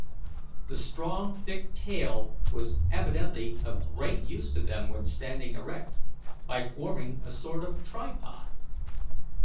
The strong thick tail was evidently of great use to them when standing erect, by forming a sort of tripod.